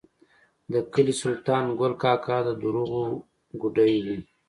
د کلي سلطان ګل کاکا د دروغو ګوډی و.